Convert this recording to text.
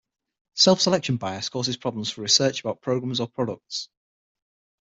Self-selection bias causes problems for research about programs or products.